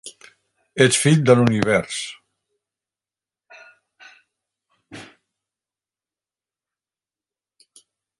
Ets fill de l'univers